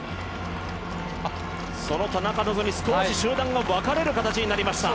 その田中希実集団が分かれる形になりました。